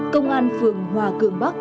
công an phường hòa cường bắc